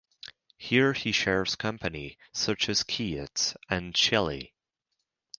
Here he shares company such as Keats and Shelley.